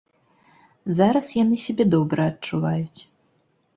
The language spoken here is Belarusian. Зараз яны сябе добра адчуваюць.